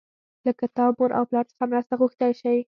له کتاب، مور او پلار څخه مرسته غوښتی شئ.